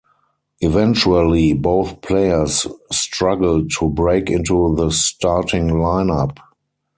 Eventually, both players struggled to break into the starting lineup.